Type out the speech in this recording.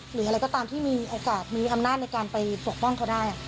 หรืออะไรก็ตามที่มีโอกาสมีอำนาจในการไปปกป้องเขาได้